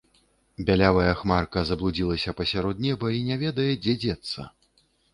Бялявая хмарка заблудзілася пасярод неба і не ведае, дзе дзецца.